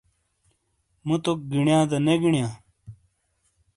موتوک گینیاں دا نے گینیاں ؟